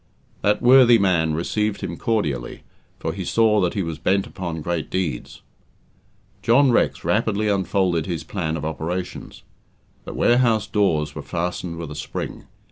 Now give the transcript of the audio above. That worthy man received him cordially, for he saw that he was bent upon great deeds. John Rex rapidly unfolded his plan of operations. The warehouse doors were fastened with a spring.